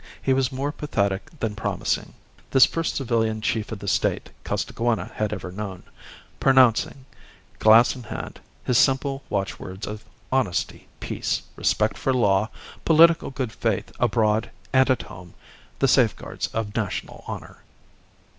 He was more pathetic than promising, this first civilian Chief of the State Costaguana had ever known, pronouncing, glass in hand, his simple watchwords of honesty, peace, respect for law, political good faith abroad and at home the safeguards of national honour.